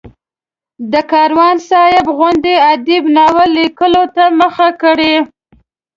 د کاروان صاحب غوندې ادیب ناول لیکلو ته مخه کړي.